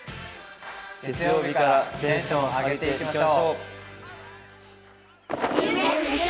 月曜日からテンション上げていきましょう！